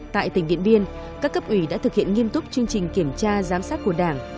tại tỉnh điện biên các cấp ủy đã thực hiện nghiêm túc chương trình kiểm tra giám sát của đảng